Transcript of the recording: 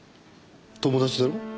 友達だろ？